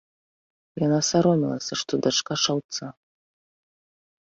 Яна саромелася, што дачка шаўца.